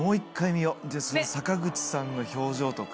坂口さんの表情とか。